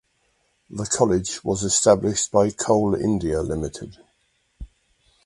The college was established by Coal India limited.